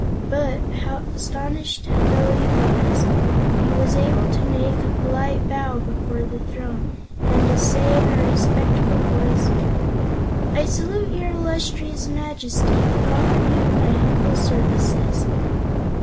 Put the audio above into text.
But, astonished though he was, he was able to make a polite bow before the throne and to say in a respectful voice: "I salute your Illustrious Majesty and offer you my humble services."